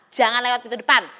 jangan lewat pintu depan